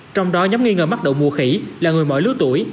trong đó nhóm nghi ngờ mắc đầu mùa khỉ là người mỏi lứa tuổi